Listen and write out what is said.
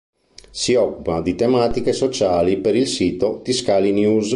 Si occupa di tematiche sociali per il sito Tiscali News.